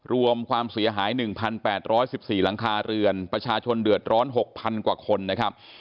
รวมความเสียหาย๑๘๑๔หลังคาเรือนประชาชนเดือดร้อน๖๐๐กว่าคนนะครับ